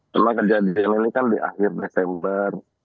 cuma kejadian ini kan di akhir desember